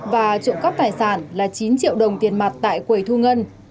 và trộm cắp tài sản là chín triệu đồng tiền mặt tại quầy thu ngân